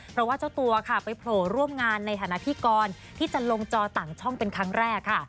เพราะว่าเจ้าตัวค่ะไปโผล่ร่วมงานในฐานะพิธีกรที่จะลงจอต่างช่องเป็นครั้งแรกค่ะ